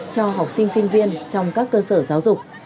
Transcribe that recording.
cho học sinh sinh viên trong các cơ sở giáo dục